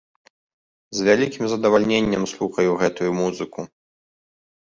З вялікім задавальненнем слухаю гэтую музыку.